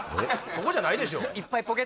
そこじゃないでしょ